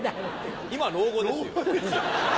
今老後ですよ。